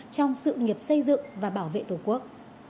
trong sự nghiệp xây dựng và bảo vệ tổ quốc